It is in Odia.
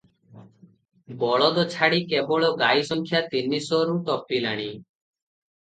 ବଳଦ ଛାଡ଼ି କେବଳ ଗାଈ ସଂଖ୍ୟା ତିନିଶହରୁ ଟପିଲାଣି ।